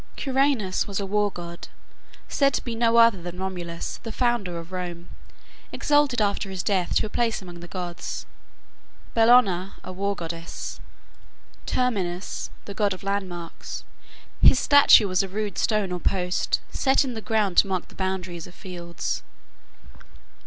Quirinus was a war god, said to be no other than Romulus, the founder of Rome, exalted after his death to a place among the gods. Bellona, a war goddess. Terminus, the god of landmarks. His statue was a rude stone or post, set in the ground to mark the boundaries of fields.